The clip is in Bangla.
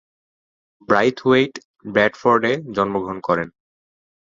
ব্রাইথওয়েইট ব্র্যাডফোর্ডে জন্মগ্রহণ করেন।